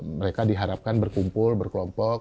mereka diharapkan berkumpul berkelompok